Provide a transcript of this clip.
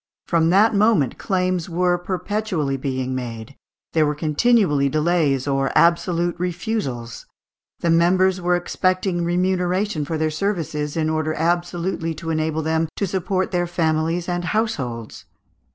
From that moment claims were perpetually being made; there were continually delays, or absolute refusals; the members were expecting "remuneration for their services, in order absolutely to enable them to support their families and households."